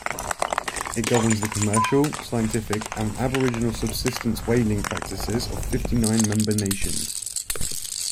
It governs the commercial, scientific, and aboriginal subsistence whaling practices of fifty-nine member nations.